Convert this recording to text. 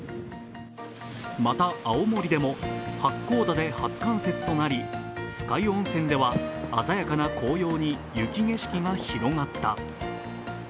また青森でも八甲田で初冠雪となり酸ヶ湯温泉では鮮やかな紅葉に雪景色が広がった。